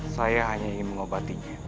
saya hanya ingin mengobatinya